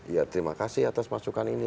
ya terima kasih atas masukan ini